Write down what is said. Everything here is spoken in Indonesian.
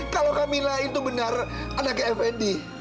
kalau kamila itu benar anaknya fnd